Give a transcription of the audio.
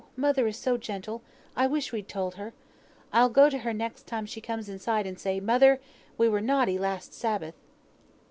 mother is so gentle, I wish we'd told her. I'll go to her next time she comes in sight, and say, 'Mother, we were naughty last Sabbath.'"